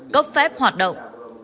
cấp phép hoạt động